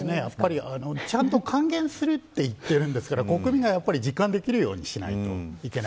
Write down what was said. ちゃんと還元するって言っているんですから国民が実感できるようにしないといけない。